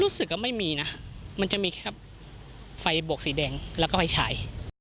รู้สึกว่าไม่มีนะมันจะมีแค่ไฟบวกสีแดงแล้วก็ไฟฉาย